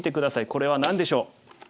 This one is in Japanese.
これは何でしょう？